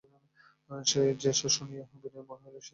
সেই স্বর শুনিয়া বিনয়ের মনে হইল যেন সে একটা অপ্রত্যাশিত ধন পাইল।